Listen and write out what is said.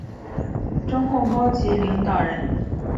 中共高级领导人。